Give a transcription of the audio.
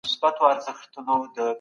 ممکن د ټولني وضعیت ښه سي.